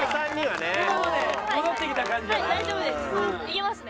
はい大丈夫です。